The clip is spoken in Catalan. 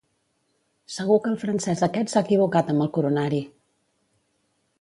Segur que el francès aquest s'ha equivocat amb el coronari!